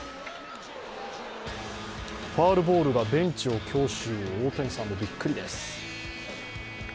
ファウルボールがベンチを強襲、大谷さんもビックリです。